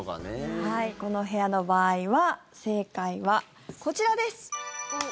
この部屋の場合は正解は、こちらです。